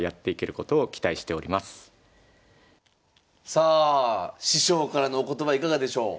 さあ師匠からのお言葉いかがでしょう？